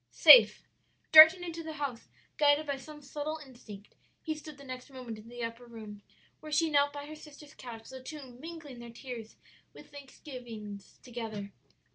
"'Safe.' "Darting into the house, guided by some subtle instinct, he stood the next moment in the upper room where she knelt by her sister's couch, the two mingling their tears and thanksgivings together.